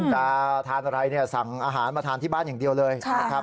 แต่ทำอะไรเนี่ยสั่งอาหารมาทำที่บ้านอย่างเดียวเลย